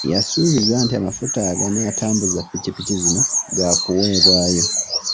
Yasuubizza nti amafuta aganaatambuza ppikipiki zino ga kuweebwayo.